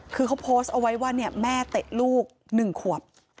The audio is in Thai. คือเขาโพสต์เอาไว้ว่าแม่เตะลูก๑ขวบ